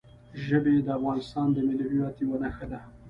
ژبې د افغانستان د ملي هویت یوه نښه ده.